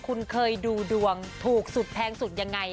คุณเคยดูดวงถูกสุดแพงสุดยังไง